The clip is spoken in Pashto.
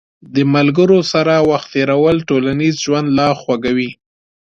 د ملګرو سره وخت تېرول ټولنیز ژوند لا خوږوي.